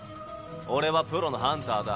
俺はプロのハンターだ